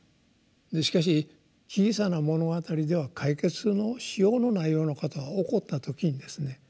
しかし「小さな物語」では解決のしようのないようなことが起こった時にですね